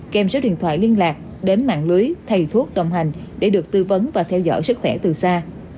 kèm số điện thoại liên lạc đến mạng lưới thầy thuốc đồng hành để được tư vấn và theo dõi sức khỏe từ xa